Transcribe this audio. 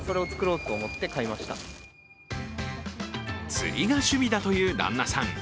釣りが趣味だという旦那さん。